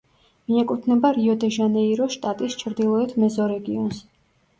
მიეკუთვნება რიო-დე-ჟანეიროს შტატის ჩრდილოეთ მეზორეგიონს.